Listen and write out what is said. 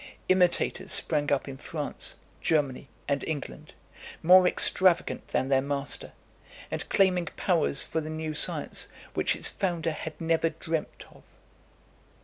Imitators sprang up in France, Germany, and England, more extravagant than their master, and claiming powers for the new science which its founder had never dreamt of.